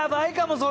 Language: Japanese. それ。